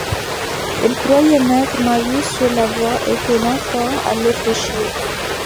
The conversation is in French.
Il croyait mettre Marius sur la voie et que « l’enfant » allait fléchir.